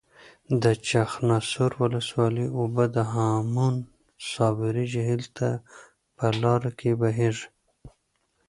د چخانسور ولسوالۍ اوبه د هامون صابري جهیل ته په لاره کې بهیږي.